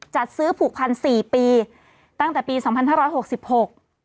จัดซื้อผูกพันสี่ปีตั้งแต่ปีสองพันห้าร้อยหกสิบหก